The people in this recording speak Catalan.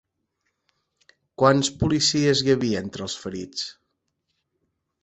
Quants policies hi havia entre els ferits?